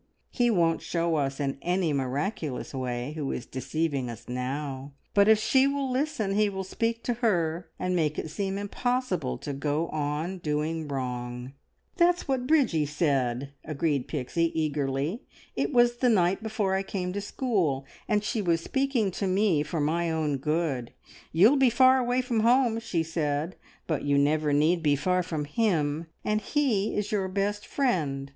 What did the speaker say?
He won't show us in any miraculous way who is deceiving us now, but if she will listen He will speak to her, and make it seem impossible to go on doing wrong." "That's what Bridgie said!" agreed Pixie eagerly. "It was the night before I came to school, and she was speaking to me for my good. `You'll be far away from home,' she said, `but you never need be far from Him, and He is your best friend.